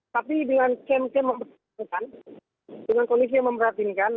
tapi dengan kondisi yang memperhatinkan dengan kondisi yang memperhatinkan